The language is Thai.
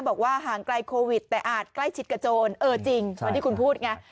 บอกว่าห่างไกลโควิดแต่อาจใกล้ชิดกับโจรเออจริงเหมือนที่คุณพูดไง